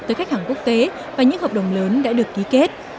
tới khách hàng quốc tế và những hợp đồng lớn đã được ký kết